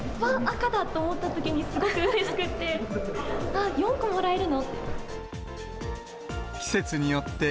赤だと思ったときに、すごくうれしくて、ああ、４個もらえるの？って。